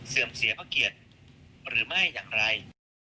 เสื่อมเสียพระเกลียดหรือไม่อย่างไร